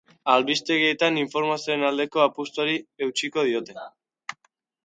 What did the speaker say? Albistegietan informazioaren aldeko apustuari eutsiko diote.